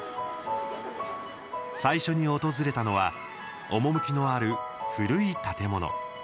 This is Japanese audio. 最初に訪れたのは趣のある古い建物。